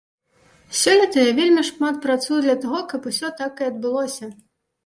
Сёлета я вельмі шмат працую для таго, каб усё так і адбылося.